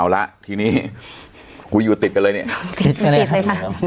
เอาละทีนี้กูยังติดไปเลยเนี่ย